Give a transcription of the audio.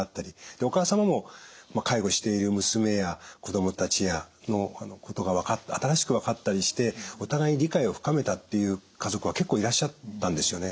でお母様も介護している娘や子供たちのことが新しく分かったりしてお互い理解を深めたっていう家族は結構いらっしゃったんですよね。